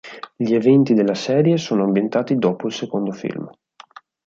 Gli eventi della serie sono ambientati dopo il secondo film.